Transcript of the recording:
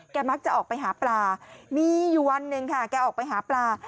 มักจะออกไปหาปลามีอยู่วันหนึ่งค่ะแกออกไปหาปลา